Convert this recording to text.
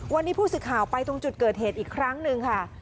วันนี้ผู้สื่อข่าวไปตรงจุดเกิดเหตุอีกครั้งหนึ่งค่ะ